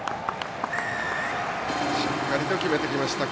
しっかりと決めてきました。